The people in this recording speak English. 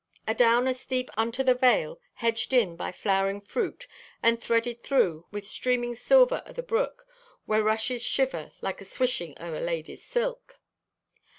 Adown a steep unto the vale, hedged in by flowering fruit and threaded through with streaming silver o' the brook, where rushes shiver like to swishing o' a lady's silk.